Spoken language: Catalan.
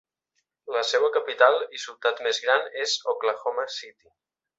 La seua capital, i ciutat més gran, és Oklahoma City.